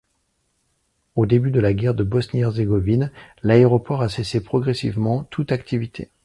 Au début de la Guerre de Bosnie-Herzégovine, l’aéroport a cessé progressivement toute activité.